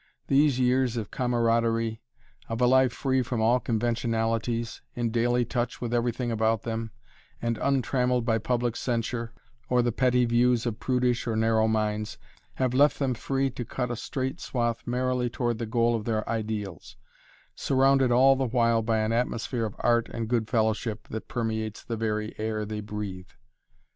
These years of camaraderie of a life free from all conventionalities, in daily touch with everything about them, and untrammeled by public censure or the petty views of prudish or narrow minds, have left them free to cut a straight swath merrily toward the goal of their ideals, surrounded all the while by an atmosphere of art and good fellowship that permeates the very air they breathe.